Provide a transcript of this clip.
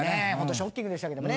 ショッキングでしたけども。